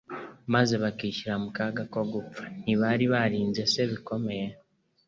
maze bakishyira mu kaga ko gupfa? Ntibari barinze se bikomeye?